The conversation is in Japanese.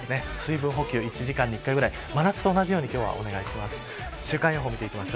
水分補給１時間に１回ぐらい真夏と同じようにお願いします。